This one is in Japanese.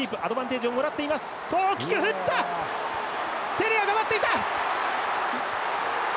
テレアが待っていた！